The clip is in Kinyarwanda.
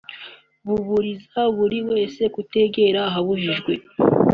buburira buri wese kutegera ahabujijwe